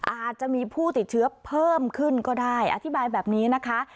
อาจจะมีผู้ติดเชื้อเพิ่มขึ้นก็ได้อธิบายแบบนี้นะคะ